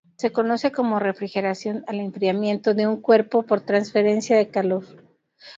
Se conoce como refrigeración al enfriamiento de un cuerpo por transferencia de calor.